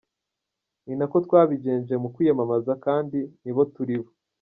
Ni nako twabigenje mu kwiyamamaza, kandi nibo turi bo.